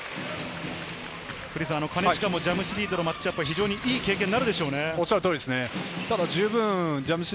金近もジャムシディとのマッチアップは非常にいい経験になるでしょうね。